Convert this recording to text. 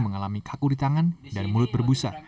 mengalami kaku di tangan dan mulut berbusa